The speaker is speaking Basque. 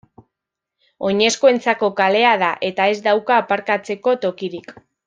Oinezkoentzako kalea da eta ez dauka aparkatzeko tokirik.